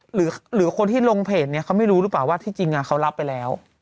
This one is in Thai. หรือคนที่ลงเพจนี้เขาไม่รู้หรือเปล่าว่าที่จริงเขารับไปแล้ว